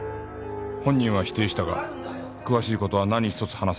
本人は否定したが詳しい事は何一つ話さなかった。